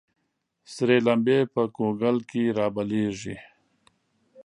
ســـــــرې لمـبـــــې په ګوګـل کــې رابلـيـــږي